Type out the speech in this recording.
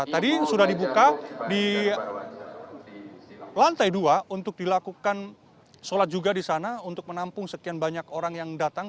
tadi sudah dibuka di lantai dua untuk dilakukan sholat juga di sana untuk menampung sekian banyak orang yang datang